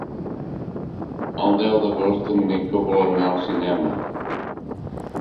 El deu d'agost en Nico vol anar al cinema.